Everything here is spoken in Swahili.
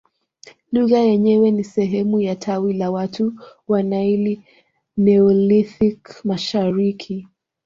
Lugha yenyewe ni sehemu ya tawi la watu wa Naili Neolithic mashariki